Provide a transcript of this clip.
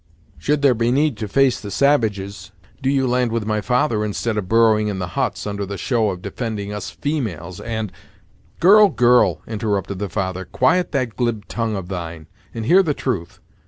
Should there be need to face the savages, do you land with my father, instead of burrowing in the huts, under the show of defending us females and " "Girl girl," interrupted the father, "quiet that glib tongue of thine, and hear the truth.